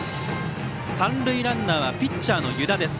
三塁ランナーはピッチャーの湯田です。